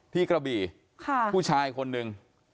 กระบี่ผู้ชายคนหนึ่ง